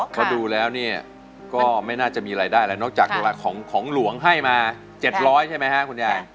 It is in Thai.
เพราะดูแล้วเนี่ยก็ไม่น่าจะมีรายได้แล้วนอกจากของหลวงให้มา๗๐๐ใช่ไหมฮะคุณยาย